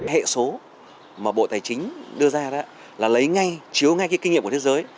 hệ số mà bộ tài chính đưa ra đó là lấy ngay chiếu ngay cái kinh nghiệm của thế giới